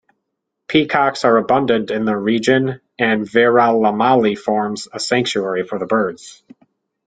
Peacocks are abundant in the region and Viralimalai forms a sanctuary for the birds.